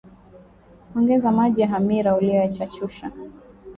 ongeza maji ya hamira uliyochachusha